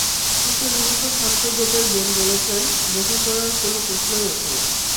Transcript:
কিন্তু নিহত শান্ত গোপের বোন বলেছেন, বোঝাপড়ার কোনো প্রশ্নই ওঠে না।